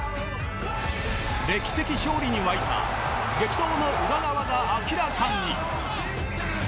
歴史的勝利に沸いた激闘の裏側が明らかに。